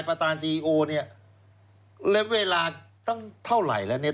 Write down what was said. ตานซีโอเนี่ยแล้วเวลาตั้งเท่าไหร่แล้วเนี่ย